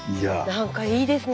何かいいですね